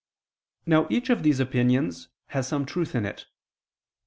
Now each of these opinions has some truth in it.